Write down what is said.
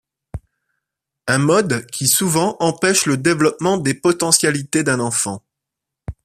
Un mode qui souvent empêche le développement des potentialités d'un enfant.